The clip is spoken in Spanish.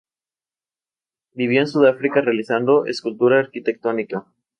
Vivió en Sudáfrica realizando escultura arquitectónica.